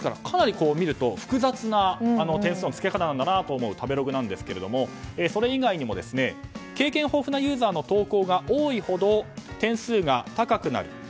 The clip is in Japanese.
こう見ると、かなり複雑な点数の付け方なんだなと思う食べログですが、それ以外にも経験豊富なユーザーの投稿が多いほど点数が高くなる。